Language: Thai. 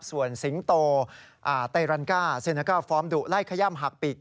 ส่วนสิงห์โตไตรรันกาซีนากาฟอร์มดุไล่ขยามหักปิด